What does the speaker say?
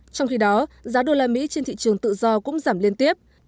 trong khi đó giá đô la mỹ trên thị trường tự do cũng giảm liên tiếp